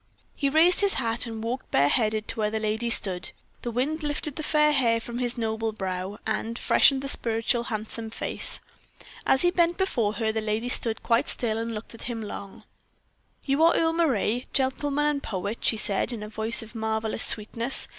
He raised his hat and walked bare headed to where the lady stood. The wind lifted the fair hair from his noble brow, and freshened the spiritual handsome face. As he bent before her, the lady stood quite still and looked at him long. "You are Earle Moray, gentleman and poet," she said, in a voice of marvelous sweetness.